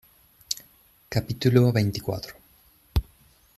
capítulo veinticuatro.